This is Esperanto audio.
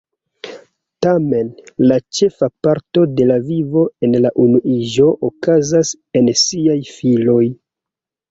Tamen, la ĉefa parto de la vivo en la unuiĝo okazas en siaj filioj.